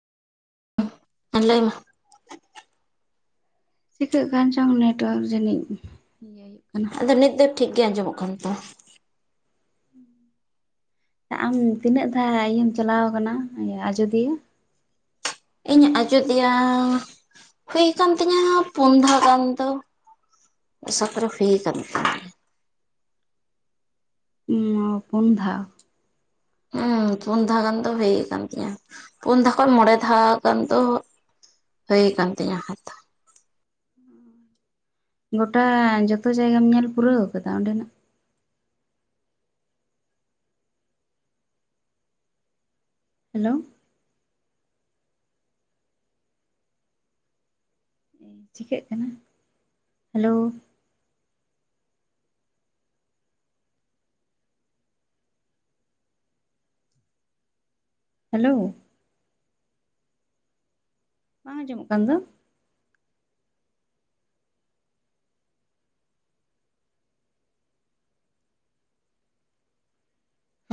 ᱦᱚᱸ ᱢᱟ ᱞᱟᱭ ᱢᱮ᱾ ᱪᱤᱠᱟᱹᱜ ᱠᱟᱱ ᱪᱚᱝ ᱱᱮᱴᱣᱟᱨᱠ ᱡᱟᱹᱱᱤᱡ ᱤᱭᱟᱹ ᱦᱩᱭᱩᱜ ᱠᱟᱱᱟ᱾ ᱟᱫᱚ ᱱᱤᱛ ᱫᱚ ᱴᱷᱤᱠ ᱜᱮ ᱟᱸᱡᱚᱢᱚᱜ ᱠᱟᱱ ᱛᱚ᱾ ᱟᱢ ᱛᱤᱱᱟᱹᱜ ᱫᱷᱟᱣ ᱤᱭᱟᱹᱢ ᱪᱟᱞᱟᱣ ᱟᱠᱟᱱᱟ ᱟᱡᱚᱫᱤᱭᱟᱹ? ᱤᱧ ᱟᱡᱚᱫᱤᱭᱟᱹ ᱦᱩᱭ ᱠᱟᱱ ᱛᱤᱧᱟᱹ ᱯᱩᱱ ᱫᱷᱟᱣ ᱜᱟᱱ ᱫᱚ᱾ ᱟᱥᱟ ᱠᱚᱨᱮ ᱦᱩᱭ ᱠᱟᱱ ᱛᱤᱧᱟ᱾ ᱤᱧ ᱢᱟ ᱯᱩᱱ ᱫᱷᱟᱣ᱾ ᱦᱮᱸ ᱯᱩᱱ ᱫᱷᱟᱣ ᱜᱟᱱ ᱫᱚ ᱦᱩᱭ ᱠᱟᱱ ᱛᱤᱧᱟᱹ ᱯᱩᱱ ᱫᱷᱟᱣ ᱠᱷᱚᱱ ᱢᱚᱬᱮ ᱫᱷᱟᱣ ᱜᱟᱱ ᱫᱚ ᱦᱩᱭ ᱠᱟᱱ ᱛᱤᱧᱟᱹ ᱠᱷᱟᱡ ᱛᱚ᱾ ᱜᱚᱴᱟ ᱡᱚᱛᱚ ᱡᱟᱭᱜᱟᱢ ᱧᱮᱞ ᱯᱩᱨᱟᱹᱣ ᱟᱠᱟᱫᱟ ᱚᱸᱰᱮᱱᱟᱜ? ᱦᱮᱞᱳ ᱪᱤᱠᱟᱹᱜ ᱠᱟᱱᱟ ᱦᱮᱞᱳ᱾ ᱦᱮᱞᱳ ᱵᱟᱝ ᱟᱸᱡᱚᱢᱚᱜ ᱠᱟᱱ ᱫᱚ?